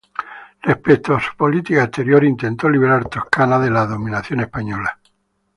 Respecto a su política exterior, intentó liberar Toscana de la dominación española.